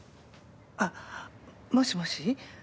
「あっもしもし？